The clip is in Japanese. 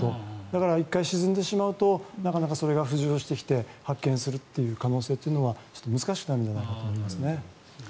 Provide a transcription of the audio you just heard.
だから、１回沈んでしまうとなかなかそれが浮上して発見するそういう可能性というのは難しくなるんじゃないかと思いますね。